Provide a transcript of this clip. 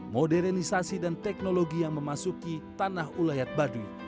modernisasi dan teknologi yang memasuki tanah ulayat baduy